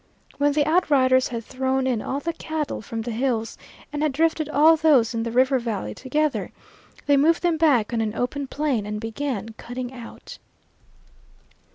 When the outriders had thrown in all the cattle from the hills and had drifted all those in the river valley together, they moved them back on an open plain and began cutting out.